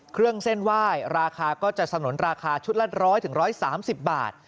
เครื่องเส้นไหว้ราคาก็จะสนุนราคาชุดละ๑๐๐๑๓๐บาท